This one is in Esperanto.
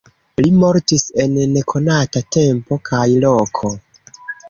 Li mortis en nekonata tempo kaj loko.